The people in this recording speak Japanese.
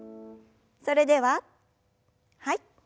それでははい。